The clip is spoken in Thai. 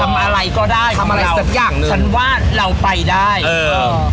ทำอะไรก็ได้ทำอะไรสักอย่างฉันว่าเราไปได้เออ